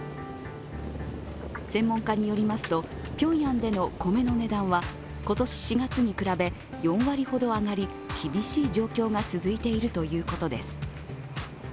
専門家によりますとピョンヤンでの米の値段は今年４月に比べ、４割ほど上がり厳しい状況が続いているということです。